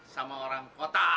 sama orang kota